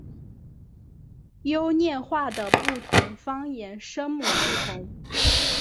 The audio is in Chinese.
优念话的不同方言声母不同。